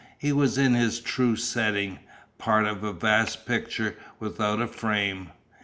He was in his true setting, part of a vast picture without a frame.